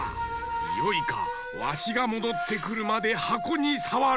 よいかわしがもどってくるまではこにさわるなよ。